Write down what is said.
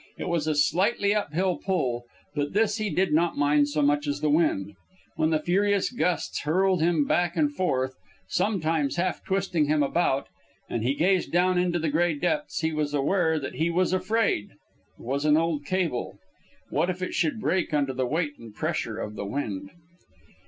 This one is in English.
It was a slightly up hill pull, but this he did not mind so much as the wind. When the furious gusts hurled him back and forth, sometimes half twisting him about, and he gazed down into the gray depths, he was aware that he was afraid. It was an old cable. What if it should break under his weight and the pressure of the wind?